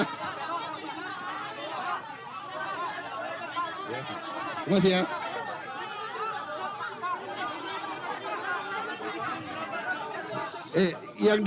terima kasih ya